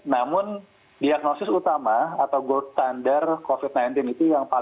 namun diagnosis utama atau gold standard covid sembilan belas itu yang paling